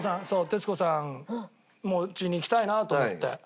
徹子さんのおうちに行きたいなと思って。